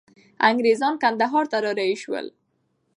انګریزان کندهار ته را رهي سول.